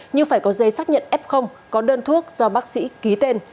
như phải có giấy xác nhận f có đơn thuốc do bác sĩ ký tên